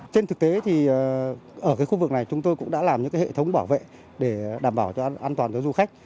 trên thực tế thì ở khu vực này chúng tôi cũng đã làm những hệ thống bảo vệ để đảm bảo cho an toàn cho du khách